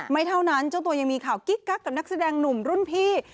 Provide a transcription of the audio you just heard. ไม่เท่านั้นเจ้าตัวยังมีข่าวกิ๊กกักกับนักแสดงหนุ่มรุ่นพี่